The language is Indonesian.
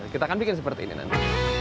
kita akan bikin seperti ini nanti